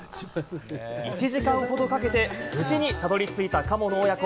１時間ほどかけて無事にたどり着いたカモの親子。